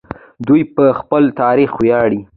دوی په خپل تاریخ ویاړي.